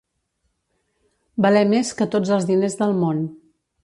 Valer més que tots els diners del món.